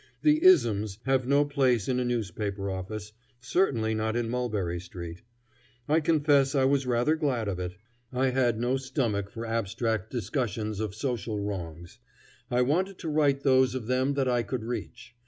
The "isms" have no place in a newspaper office, certainly not in Mulberry Street. I confess I was rather glad of it. I had no stomach for abstract discussions of social wrongs; I wanted to right those of them that I could reach.